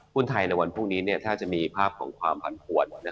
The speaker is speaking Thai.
หุ้นไทยในวันพรุ่งนี้ถ้าจะมีภาพของความผันผวน